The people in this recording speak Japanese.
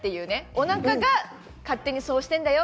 おなかが勝手にそうしてるんだよ